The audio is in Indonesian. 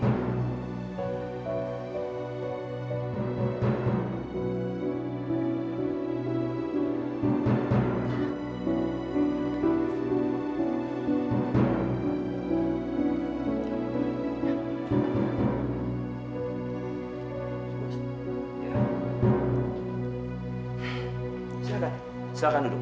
silakan silakan duduk